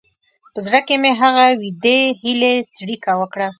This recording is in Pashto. په زړه کې مې هغه وېډې هیلې څړیکه وکړه.